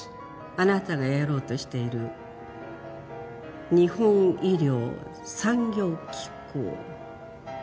あなたがやろうとしている日本医療産業機構だったかしら？